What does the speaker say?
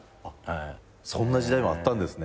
そんな時代もあったんですね。